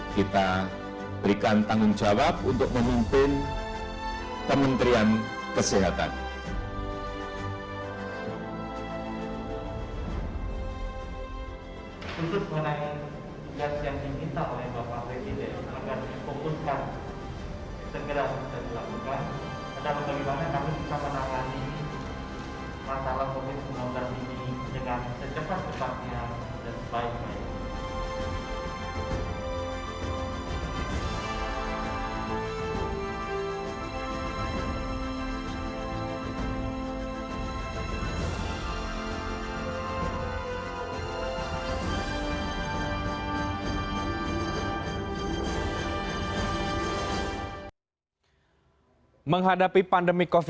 kita berikan tanggung jawab untuk memimpin kementerian kesehatan